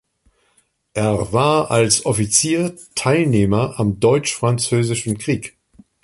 Er war als Offizier Teilnehmer am Deutsch-Französischen Krieg.